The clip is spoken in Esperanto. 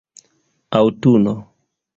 aŭtuno